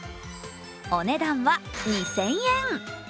お値段は２０００円。